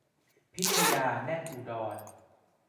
พิทยา แน่นอุดร